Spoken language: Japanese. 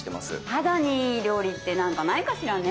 肌にいい料理って何かないかしらね。